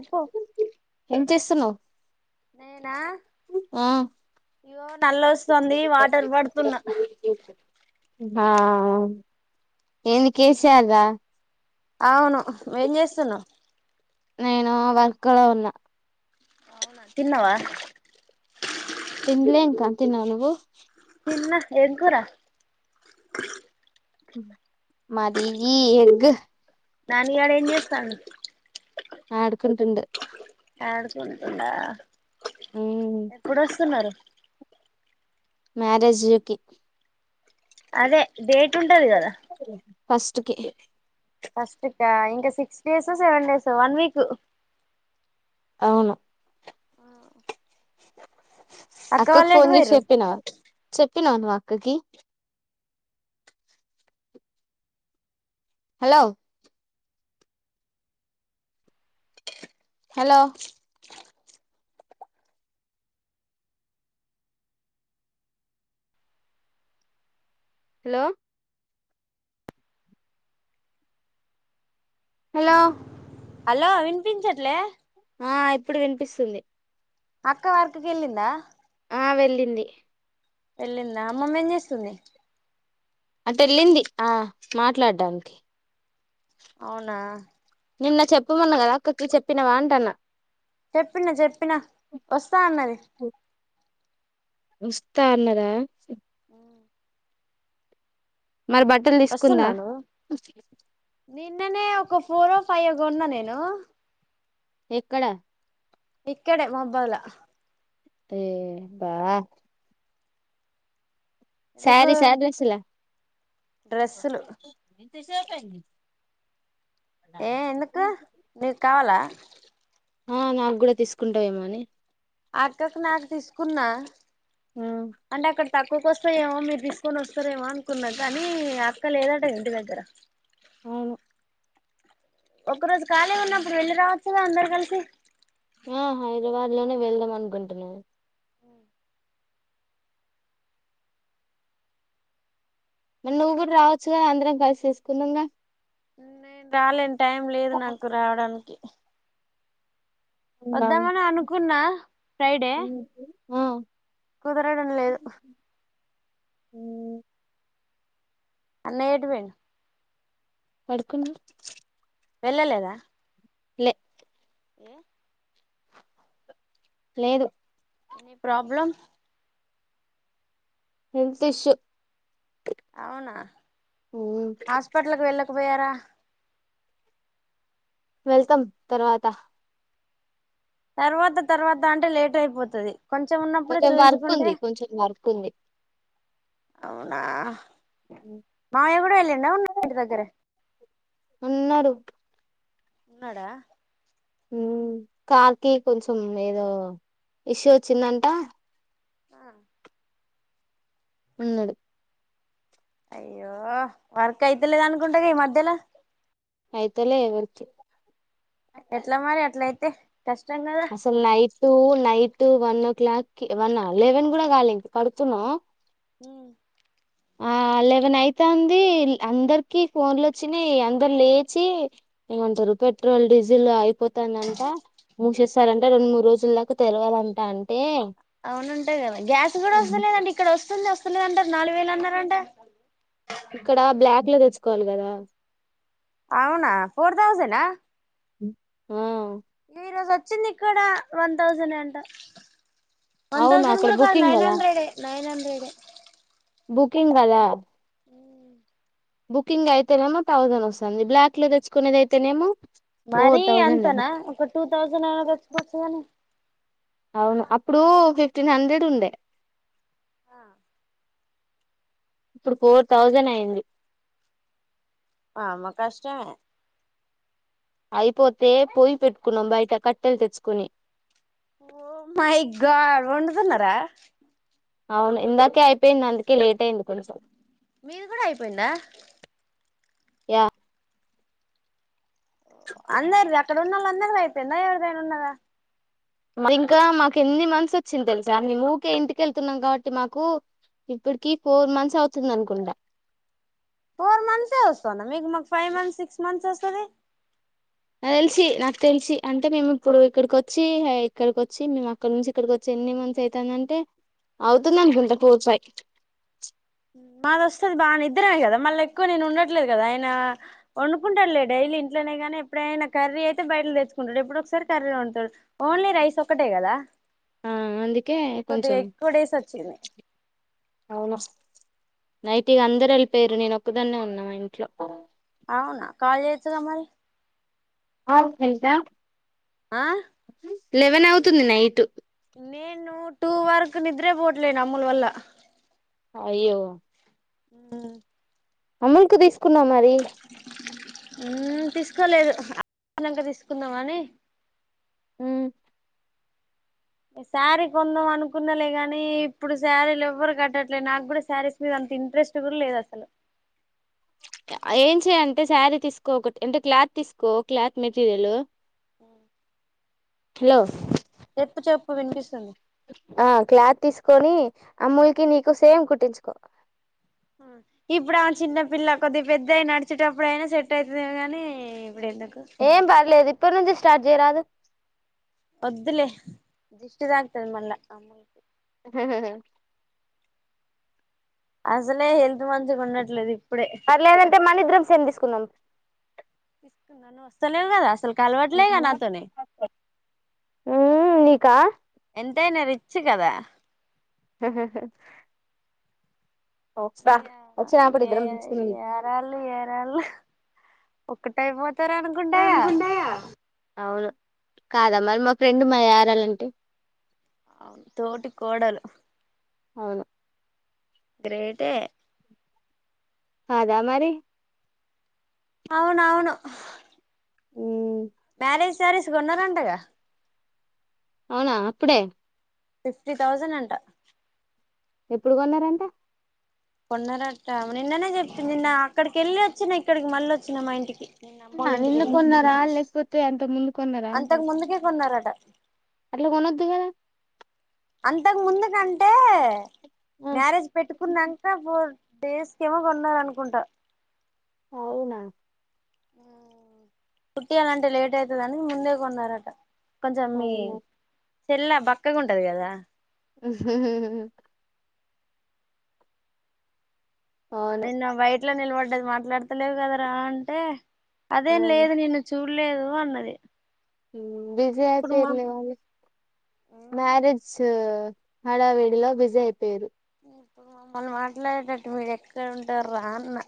ఇప్పో ఏం చేస్తున్నావ్ నేనా ఆ ఇయో నల్లొస్తుంది వాటర్ పడుతున్న ఆ ఏంది కేస అవా అవును ఏం చేస్తున్నావ్ నేను వర్క్ లో ఉన్నా అవునా తిన్నవా టిన్లే ఇంకా తిన్నావా నువ్వు తిన్నా ఏం కూర మాది వీ గ్ నాని గాడు ఏం చేస్తాండ్ ఆడుకుంటుండ ఆడుకుంటుందా మ్మ్ ఎప్పుడొస్తున్నారు మ్యారేజ్లీకి అదే డేట్ ఉంటది కదా ఫస్ట్ కి ఫస్ట్ పాంట్ six days seven days one week అవును అక్క అక్కకు వాళ్ళు ఎటు ఫోన్ చేసి పోయిర్రు చెప్పిన చెప్ తిన్నావా నువ్వు అక్కకి hello hello hello hello hello వినిపించట్లే ఆ ఇప్పుడు వినిపిస్తుంది అక్క వర్క్ కెళ్ళింద ఆ వెళ్ళింది వెళ్లింద అమ్మమ్మ ఏం చేస్తుంది అటేళ్ళింది ఆ మాట్లాడడానికి అవునా నిన్న చెప్పమన్న కదా అక్కకి చెప్పినావా అంట అన్న చెప్పిన చెప్పిన వస్తా అన్నది వస్తా అన్నదా మరి బట్టలు తీసుకుందా వస్తున్నావా నువ్వు నిన్ననే ఒక ఫోరో ఫైవో కొన్నా నేను ఎక్కడ ఇక్కడే మాబ్బాల టే బా ఎందుకు సారీ సారి డ్రెస్సుల డ్రెస్సులు సిస్సాఫ్ అయింది ఏం ఎందుకు నీకు కావాలా ఆ నాకు కూడ తీసుకుంటావేమో అని అక్కకి నా క్ తీసుకున్నా ఆ అంటే అక్కడ తక్కువకు వస్తాయేమో మీరు తీసుకొని వస్తారేమో అనుకున్న కానీ అక్క లేదట ఇంటి దగ్గర అవ్ను ఒక్క రోజు కాలి ఉన్నప్పుడు వెళ్ళి రావచ్చు కదా అందరు కలిసి ఆ హైద్రాబాద్ లోనే వెళ్దాం అనుకుంటున్నాను అ మరి నువ్వు కూడా రావచ్చు కదా అందరం కలిసి చేసుకుందాంగ నేన్ రాలేన్ టైమ్ లేదు నాకు రావడానికి వద్దామని అనుకున్నా ఫ్రైడె ఆ ఉమ్ అన్నయ అటు పోయిండు పడుకున్నా వెళ్ళలేద లె ఏ లేదు ఎనీ ప్రాబ్లం హెల్త్ ఇష్యు అవున హాస్పిటల్కి వెళ్ళ క్ పోయార వెళ్తం తర్వాత తర్వాత తర్వాత అంటే లేట్ అయిపోతది కొంచెం ఉన్నప్పుడే కొంచం వర్క్ చూయించుకుంటే ఉంది కొంచెం వర్క్ ఉంది అవునా హ్ మామయ్య కూడా వెళ్ళిండా ఉన్న ఇంటి దగ్గరె ఉన్నరు ఉన్నాడ ఉమ్ కాల్కి కొంచెం ఏదో ఇష్యూ వచ్చిందంట ఆ ఉన్నడు అయ్యో వర్క్ అయితేలేద అనుకుంటగా ఈ మధ్యలో అయితలె ఎవర్కి ఎట్ల మరి అట్ల అయితే కష్టం గదాహ్ tonight one o'clock కి వన్వ లెవెన్ కూడా కాల ఇంక పడుతున్నా ఉమ్ ఆ లెవెన్ అయితాంది అందరికి ఫోన్లు వచ్చినాయి అందరు లేచి ఏమంటారు పెట్రోల్ డీజిల్ అయిపోతు తాంది అంట ముసెస్త సరే అంటే రెండు మూడు రోజుల్లోకు తెరవాలంటా అంటే అవునుంటాయి కదా గ్యాస్ కూడా వస్తు లేదండి ఇక్కడ వస్తుంది వంది స్తులేదంటారు నాలుగు వేలు అన్నారంట ఇక్కడ బ్లాక్ లో తెచ్చ కోవాలి కదా అవునా ఫోర్ తథౌసండ్ ఆ ఈరోజ వచ్చింది ఇక్కడ వన్ థౌసండ్ అంట వన్ అవును థౌసండ్ అక్కడ కూడా కాదు బుకింగ్ నైన్ కదా హండ్రెడ్ నైన్ హండ్రెడ్ వడు కుకింగ్ కదా బుకింగ్ అయితేనేమో థౌసండ్ వస్తుంది బ్లాక్ లో తెచ్చుకునేది అయితేనేమో ఫోర్ మరీ థౌజండ్ అట అంతనా ఒక టూ థౌజండ్ అనా తెచ్చుకోవచ్చు కాని అవును అప్పుడు ఫిఫ్టీన్ హండ్రెడ్ ఉండే ఆ ఇప్పుడు ఫోర్ థౌజండ్ అయింది ఆమ్మ కష్టమే అయిపోతే పొయ పెట్టుకున్నాం బయట కట్టెలు తెచ్చుకుని ఓ మాై గ వండుతున్నారా అవును ఇందాకే అయిపోయింది అందుకే లేట్ అయింది కొంచెం మీది కూడా అయిపోయిందా [inaudible] అందరి ఇక్కడ ఉన్నోలందరిది అయిపోయిందా ఎవరిదైనా ఉన్నదా ఇంకా మాకు ఎన్ని మంత్స్ వచ్చింది తెలుసా మేం ఊకె ఇంటికెళ్తున్నాం కాబట్టి మాకు ఇప్పటికి ఫోర్ మంత్స్ అవుతుంది అనుకుంటా ఫోర్ మంత్సే వస్తందా మీకు మాకు ఫైవ్ మంత్స్ సిక్స్ మంత్స్ వస్తది నాకు తెలిసి నాకు తెలిసి అంటే మేము ఇప్పుడు ఇక్కడికి వచ్చి ఇక్కడికి వచ్చి మేము అక్కడ నుంచి ఇక్కడికి వచ్చి ఎన్ని మంత్స్ అయితందంటే అవుతుంది అనుకుంటా ఫోర్ ఫైవ్ మాది వస్తది బాగానే ఇద్దరమే కదా మళ్ళీ ఎక్కువ నేను ఉండట్లేదు కదా ఆయన వండుకుంటాడులే డైలీ ఇంట్లోనే కానీ ఎప్పుడైనా కర్రీ అయితే బయట తెచ్చుకుంటాడు ఎప్పుడో ఒకసారి కర్రీ వండుతాడు ఓన్లీ రైస్ ఒక్కటే కదా ఆ అందుకే కొద్దిగా కొంచెం ఎక్కువ డేస్ వచ్చింది అవును నైట్ ఇగ అందరు వెళ్ళిపోయారు నేను ఒక్కదాన్నే ఉన్నా మా ఇంట్లో అవునా కాల్ చెయ్యొచ్చుగా మరి ఎంత ఆహ్ హా లెవెన్ అవుతుంది నైట్ నేను టూ వరకు నిద్రే పోట్లేను అమ్ములు వల్ల అయ్యో ఉహ్ అమ్ములుకు తీసు కున్నా మరి ఉహ్ తీసుకోలేదు అయిపోయినంగా తీసుకుందాం అని ఉహ్ శారీ కొందాం అనుకున్నాలే కానీ ఇప్పుడు శారీలు ఎవ్వరు కట్టట్లే నాకు కూడా శారీస్ మీద అంత ఇంట్రెస్ట్ కూడా లేదు అసలు ఏం చేయంటే శారీ తీసుకో ఒకటి అంటే క్లాత్ తీసుకో క్లాత్ మెటీరియల్ హలో చెప్పు చెప్పు వినిపిస్తుంది ఆ క్లాత్ తీసుకొని అమ్ములుకి నీకు సేమ్ కుట్టించుకో ఇప్పుడు ఆమె చిన్నపిల్ల కొద్దిగా పెద్దాయి నడిచేటప్పుడు అయినా సెట్ అయితదె గానీ ఇప్పుడు ఎందు ఏం పర్లేదు ఇప్పుడి నుంచి స్టార్ట్ చేయరాదు వద్దులే దిష్టి తాకుతది మళ్ళ [inaudible] అసలే హెల్త్ మంచిగా ఉండట్లేదు ఇప్పుడే పర్లేదంటే మనిద్రం సేమ్ తీసుకుందాం [inaudible] వస్తలేవు కదా అసల్ కలవట్లేగా నాతోని క్క ఎంతైనా రిచ్ కదా వస్తా [unintelligible] వచ్చినప్పుడు ఏ ఇద్దరం తీసుకుందాం ఏరాళ్ళు ఏరాళ్ళు ఒకటై పో [unintelligible] అనుకుంటే అనుకుంటాయా అవును కాదా మరి మా ఫ్రెండ్ మా యారాలంటే అవును తోటి కోడలు అవును గ్రేటే కాదా మరి అవును అవును మ్ మ్యారేజ్ శారీసుకొన్నరంటగా అవునా అప్పుడే ఫిఫ్టీ థౌజండ్ అంట ఎప్పుడు కొన్నారంట కొన్నరంట నిన్ననే చెప్తుంది నిన్న అక్కడికి వెళ్ళి వచ్చిన ఇక్కడికి మళ్ళీ వచ్చిన మా ఇంటికి నిన్న న అమ్మోళ్ళ ఇంటికి నిన్ను వెళ్ళి కొన్నారా లేకపోతే అంత ముందు కొన్నారా అంటా అంతకు ముందుకే కొన్నారట అట్లా కొనొద్దు కదా, అంతకు ముందుకంటే మ్యారేజ్ పెట్టుకున్నాంక పోర్ డేస్కెమో కొన్నారు అనుకుంటా అవునా మ్మ్ పుట్టియాలంటే లేట్ అయితాదని ముందే కొన్నారట కొంచెం మీ అవునా చెల్ల బక్కగా ఉంటది కదా [unintelligible] నిన్న వైట్ ఇట్లా నిలబడ్డది మాట్లాడతలేదు కద రా అంటే అదేం అవును లేదు నిన్ను చూ లేదు అన్నది బిజీ అయితె ఇప్పుడు మా ఏంలెవ్యలె మ్యారేజ్ హడా విడిలో బిజీ అయిపోయారు మొన్న మాట్లాడేటట్టు మీరు ఎక్కడ ఉంటార్రా అన్న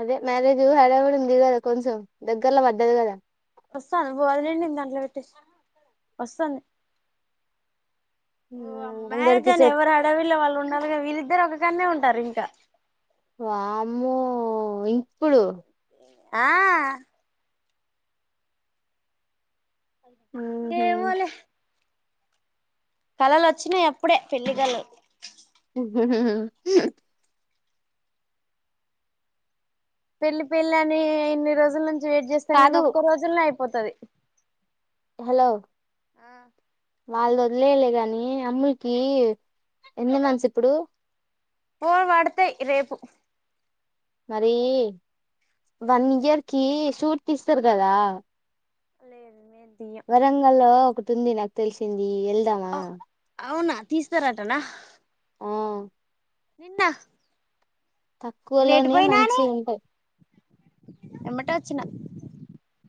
అదే మ్యారేజ్ హడావిడున్నది కదా కొంచెం దగ్గర్లో వడ్దది కదా వస్తును ఓ అమ్మ మ్యారేజ్ అందరికి అని చెప్ ఎవరి హడావుడి లొ వాళ్ళు ఉన్నరు కద వీళ్ళిద్దరు ఒక అక్కనే ఉంటారు ఇంకా వామ్మో ఇప్పుడు ఆ ఏ ఊహూ మొలే కళలు వచ్చినాయి అప్పుడే పెళ్లి కళలు [unintelligible] పెళ్లి పెళ్లని ఇన్ని రోజులు [unintelligible] వెయిట్ చేస్తాంగానీ కాదు ఒక్క రోజులనే అయిపోతది హలో వాళ్ళని వదిలేయ్ గానీ అమ్ముల్కి ఎన్ని మంథ్స్ ఇప్పుడు పోల్ పడతయి రేపు మరీ వన్ ఇయర్ కి షూరిటీ ఇస్తరుకదా లేదు తీయం వరంగల్లో ఒకటి ఉంది నాకు తెలిసింది ఈ.. ఎళ్దావా అవునా తీస్తారటనా మ్ నిన్న తక్కువలోనే మంచి వి ఉంటాయి ఎమ్మటెవచ్చిన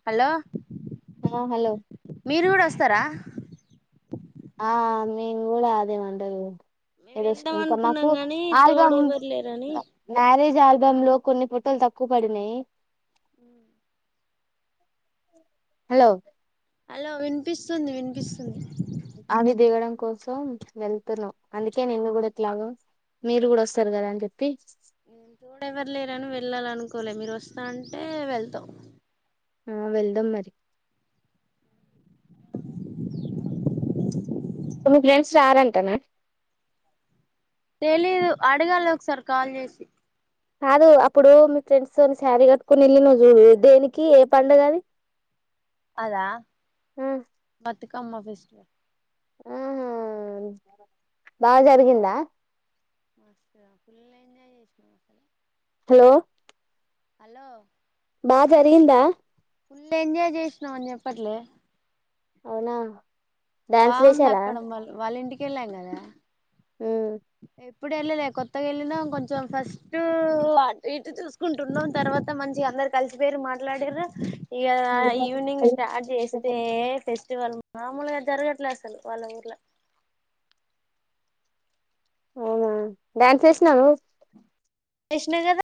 హలో హలొ హలో మీరు కూడా వస్తారా ఆ మేము కూడా అదేమంటారు మేము ఏడు వెళ్దాం ఇంక మాకు అనుకున్నాం గాని తోడు ఆల్బమ్ ఎవరు లేరని మ్యారేజ్ ఆల్బమ్ లో కొన్ని ఫొటోలు తక్కువ పడినాయి ఉ హలో హలో వినిపిస్తుంది వినిపిస్తుంది అవి దిగడం కోసం వెళ్తున్నాం అందుకే నిన్ను కూడా ఎట్లాగో మీరు గూడా వస్తారు కదా అని చెప్పి తోడ ఎవరు లేరని వెళ్ళాల అనుకోలే మీరు వస్తా అంటే వెళ్తా ఆ వెళ్దాం మరి మీ ఫ్రెండ్స్ రారంటనా తెలీదు అడగాలి ఒకసారి కాల్ చేసి కాదు అప్పుడు మీ ఫ్రెండ్స్ తో శారీ కట్టుకొని వెళ్ళినావ్ చూడు దేనికి ఏ పండగది అదా మ బతుకమ్మ ఫెస్టివల్ ఆహా బాగా జరిగిందా మస్తు ఫుల్ ఎంజాయ్ చేసినాం అసలు హలో హలో బా జరిగిందా ఫుల్ ఎంజాయ్ చేసినావు అని చెప్పట్లే అవునా డాన్స్ బాగుంది లేసారా అక్కడ మళ్ల వాళ్ళ ఇంటికి కేళ్లాం గదా ఎప్ ఎప్పుడు వెళ్ళలే కొత్తగా వెళ్ళినాం కొంచెం ఫస్టూ అటు ఇటు చూసుకుంటున్నాం తర్వాత మంచిగా అందరు కలిసిపోయిరు మాట్లాడిర్రు ఇక ఈవినింగ్ స్టార్ట్ చేస్తే ఫెస్టివల్ మామూలుగా జరగట్లే అస్సలు వాళ్ళ ఊర్లో అవునా డ్యాన్స్ వేసినావు ఏషినా కదా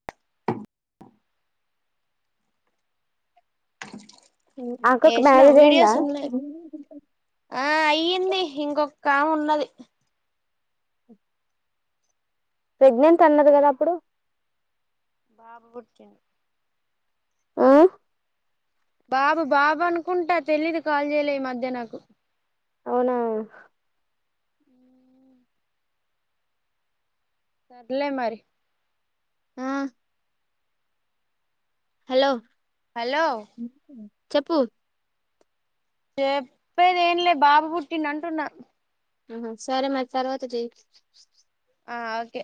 నువ్వు అక్కకు ఎసినావ్ మ్యారేజ్ అయిందా వీడియోస్ ఉన్నాయ్ ఆ అయ్యింది ఇంకొ కామ ఉన్నది ప్రెగ్నెంట్ అన్నది కదా అప్పుడు బాబు పుట్టిండు ఆ బాబు బాబు అనుకుంటా తెలీదు కాల్ చేయలే ఈ మధ్య నాకు అవునా సర్లే మరి ఆ హలో హలో ఉ [unintelligible] చెప్పు చెప్పేది ఏంలే బాబు పుట్టిండు అంటున్నా ఆహ సరే మరి తర్వాత జెయ్ ఆ ఓకే